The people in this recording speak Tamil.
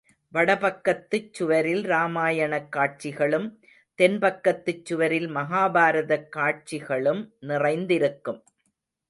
வடபக்கத்துச் சுவரில் ராமாயணக் காட்சிகளும், தென்பக்கத்துச் சுவரில் மகாபாரதக் காட்சிகளும் நிறைந்திருக்கும்.